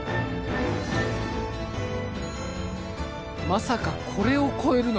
まさかこれを超えるのか？